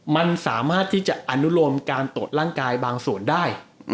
มันสามารถที่จะอนุโลมการตรวจร่างกายบางส่วนได้